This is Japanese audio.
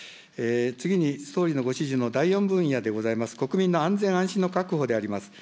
次に、総理のご指示の第４分野でございます、国民の安全安心の確保であります。